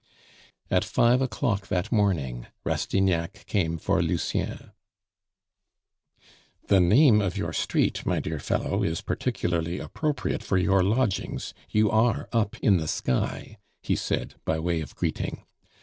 At five o'clock that morning, Rastignac came for Lucien. "The name of your street my dear fellow, is particularly appropriate for your lodgings; you are up in the sky," he said, by way of greeting.